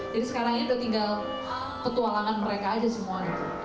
jadi sekarang ini udah tinggal petualangan mereka aja semua